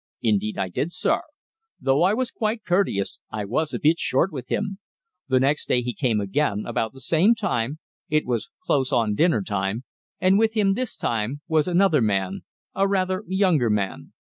"Indeed I did, sir. Though I was quite courteous, I was a bit short with him. The next day he come again, about the same time it was close on dinner time and with him this time was another man a rather younger man.